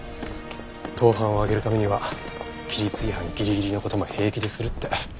盗犯を挙げるためには規律違反ギリギリの事も平気でするって。